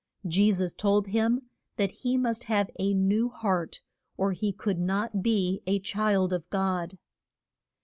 Je sus told him that he must have a new heart or he could not be a child of God.